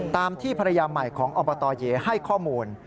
ตามที่ภรรยาใหม่ของอบตเยให้ข้อมูล